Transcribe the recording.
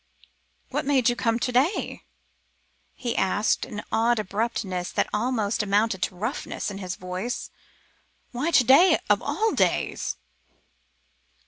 "What made you come to day?" he asked, an odd abruptness that almost amounted to roughness, in his voice. "Why to day, of all days?"